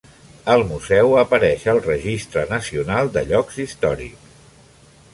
El museu apareix al Registre Nacional de Llocs Històrics.